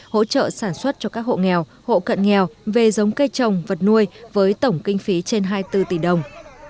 hỗ trợ sản xuất cho các hộ nghèo hộ cận nghèo về giống cây trồng vật nuôi với tổng kinh phí trên hai mươi bốn tỷ đồng